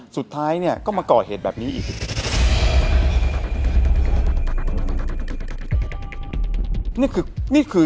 สุดท้ายเนี่ยก็มาก่อเหตุแบบนี้อีก